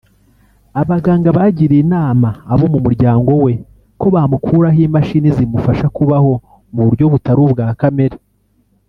abaganga bagiriye inama abo mu muryango we ko bamukuraho imashini zimufasha kubaho mu buryo butari ubwa kamere